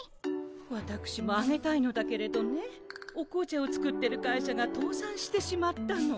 わたくしもあげたいのだけれどねお紅茶を作ってる会社がとうさんしてしまったの。